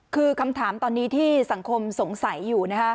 คือคำถามตอนนี้ที่สังคมสงสัยอยู่นะคะ